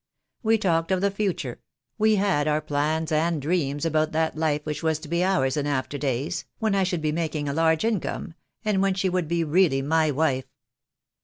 "We talked of the future — we had our plans and dreams about that life which was to be ours in after days, when I should be making a large income, and when she would be really my wife.